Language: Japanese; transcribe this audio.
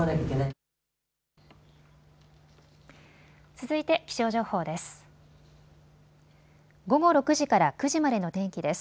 続いて気象情報です。